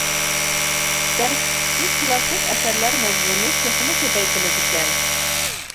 دەرسلىكتىكى كىلاسسىك ئەسەرلەر مەزمۇنى تېخىمۇ كۆپەيتىلىدىكەن.